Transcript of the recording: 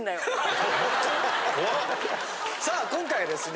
さあ今回はですね